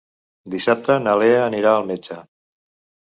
Dissabte na Lea anirà al metge.